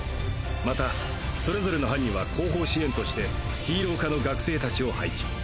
またそれぞれの班には後方支援としてヒーロー科の学生達を配置。